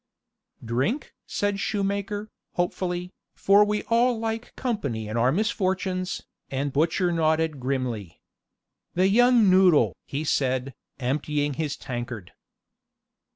"Drink?" said shoemaker, hopefully, for we all like company in our misfortunes, and butcher nodded grimly. "The young noodle!" he said, emptying his tankard.